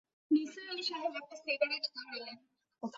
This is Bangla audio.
নিসার আলি সাহেব একটা সিগারেট ধরালেন।